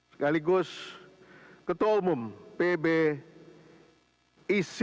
sekaligus ketua umum pb icw